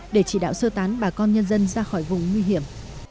để chỉ đạo sơ tán bà con nhân dân ra khỏi vùng nguy hiểm